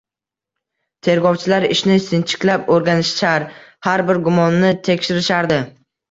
Tergovchilar ishni sinchiklab o`rganishar, har bir gumonni tekshirishardi